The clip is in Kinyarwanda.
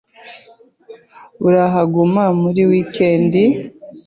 Urahaguma muri wikendi?